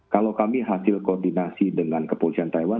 kalau kami hasil koordinasi dengan kepolisian taiwan